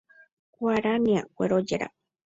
Guarania guerojera.